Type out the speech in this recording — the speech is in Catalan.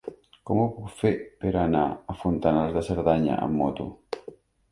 Com ho puc fer per anar a Fontanals de Cerdanya amb moto?